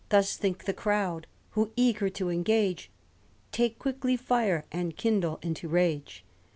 Thus think the crowd ; who, eager to engage, Take quickly fire, and kindle into rage.